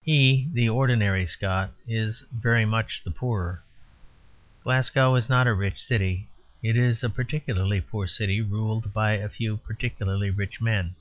He, the ordinary Scot, is very much the poorer. Glasgow is not a rich city. It is a particularly poor city ruled by a few particularly rich men.